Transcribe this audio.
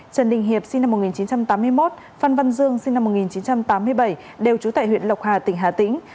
trần đình hiệp sinh năm một nghìn chín trăm tám mươi một phan văn dương sinh năm một nghìn chín trăm tám mươi bảy đều trú tại huyện lộc hà tỉnh hà tĩnh